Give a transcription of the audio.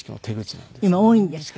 今多いんですか？